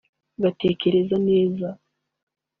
agatekereza neza